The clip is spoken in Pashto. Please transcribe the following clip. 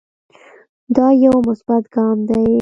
دا يو مثبت ګام دے